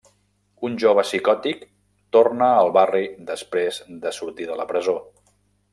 Un jove psicòtic torna al barri després de sortir de la presó.